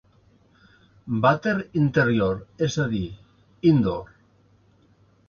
Vàter interior, és a dir, indoor.